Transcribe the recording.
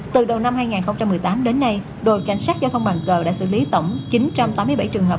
từ đầu năm hai nghìn một mươi tám đến nay đội cảnh sát giao thông bàn cờ đã xử lý tổng chín trăm tám mươi bảy trường hợp